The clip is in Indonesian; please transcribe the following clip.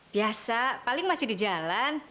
biasa paling masih di jalan